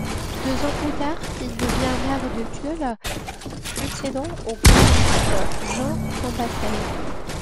Deux ans plus tard, il devient maire de Tulle, succédant au communiste Jean Combasteil.